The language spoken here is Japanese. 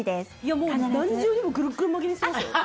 もう何重にもぐるぐる巻きにしてますよ。